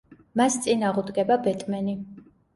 მას წინ აღუდგება ბეტმენი.